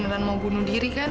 oh kan ada satu orang